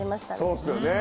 そうですよね。